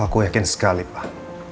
aku yakin sekali pak